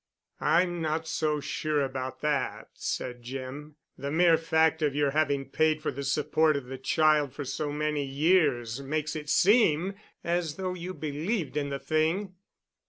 "I'm not so sure about that," said Jim, "the mere fact of your having paid for the support of the child for so many years makes it seem as though you believed in the thing."